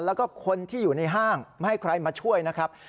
แล้วก็คนที่อยู่ในห้างไม่ให้ใครมาช่วยนะครับ